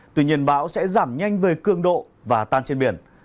tuy nhiên bão sẽ giảm nhanh về cương độ và tan trên biển